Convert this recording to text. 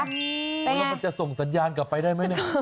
แล้วมันจะส่งสัญญาณกลับไปได้ไหมเนี่ย